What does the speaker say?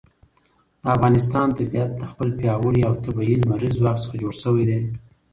د افغانستان طبیعت له خپل پیاوړي او طبیعي لمریز ځواک څخه جوړ شوی دی.